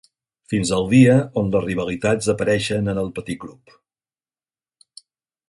Fins al dia on les rivalitats apareixen en el petit grup.